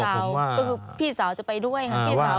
ก็คือพี่สาวจะไปด้วยค่ะ